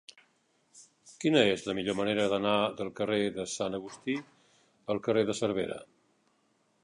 Quina és la millor manera d'anar del carrer de Sant Agustí al carrer de Cervera?